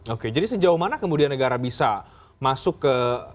oke jadi sejauh mana kemudian negara bisa masuk ke